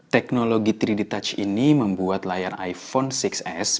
teknologi tiga d touch ini membuat layar iphone enam s